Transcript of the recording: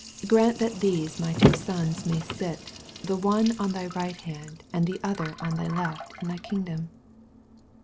Grant that these m^ two sons may sit, the one on thy rij^ht hand, and the other on the left, in thy kingdom.